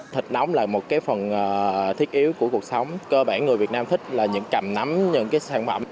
thịt nóng là một cái phần thiết yếu của cuộc sống cơ bản người việt nam thích là những cầm nắm những sản phẩm